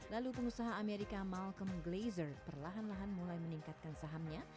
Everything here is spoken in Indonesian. lalu pengusaha amerika malcome glaser perlahan lahan mulai meningkatkan sahamnya